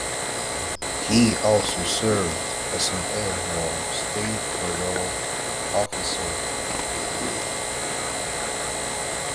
He also served as an Illinois state parole officer.